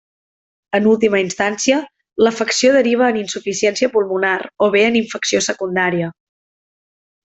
En última instància, l'afecció deriva en insuficiència pulmonar o bé en infecció secundària.